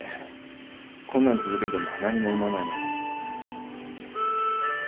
こんなん続けても何も生まないのに。